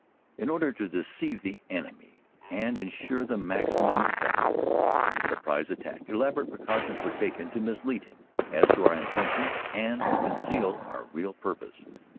In order to deceive the enemy and ensure the maximum effect of a surprise attack, elaborate precautions were taken to mis lead him as to our intentions and to conceal our real purpose.